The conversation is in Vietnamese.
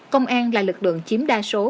công an là lực lượng chiếm đa số